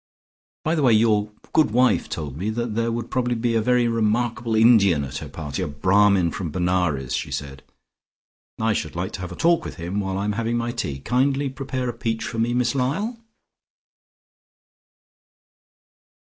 By the way, your good wife told me that there would probably be a very remarkable Indian at her party, a Brahmin from Benares, she said. I should like to have a talk with him while I am having my tea. Kindly prepare a peach for me, Miss Lyall."